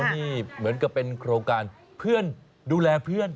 นี่เหมือนกับเป็นโครงการเพื่อนดูแลเพื่อน